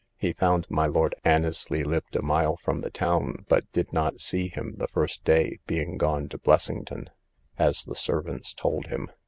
He found my Lord Annesly lived a mile from the town, but did not see him the first day, being gone to Blessington, as the servants told him.